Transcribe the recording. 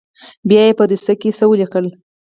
بيا يې په دوسيه کښې څه وليکل.